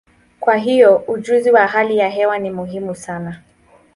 Kwa hiyo, ujuzi wa hali ya hewa ni muhimu sana.